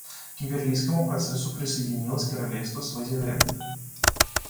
К Кимберлийскому процессу присоединилось Королевство Свазиленд.